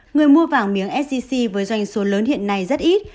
người mua vàng miếng sgc với doanh số lớn hiện nay rất ít